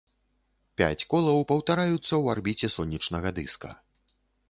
Пяць колаў паўтараюцца ў арбіце сонечнага дыска.